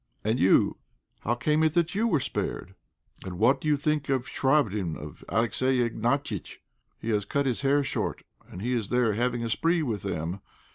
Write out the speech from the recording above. And you, how came it that you were spared? And what do you think of Chvabrine, of Alexy Iványtch? He has cut his hair short, and he is there having a spree with them.